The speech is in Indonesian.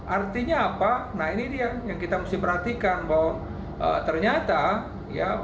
artinya apa nah ini dia yang kita harus perhatikan bahwa ternyata orang orang usia lanjut